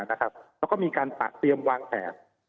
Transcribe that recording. แล้วก็มีการเตรียมวางแผน